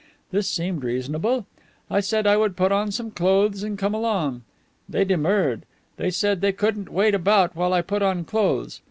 This seemed reasonable. I said I would put on some clothes and come along. They demurred. They said they couldn't wait about while I put on clothes.